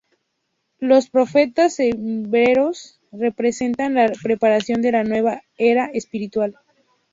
Los profetas hebreos representan la preparación de la nueva era espiritual.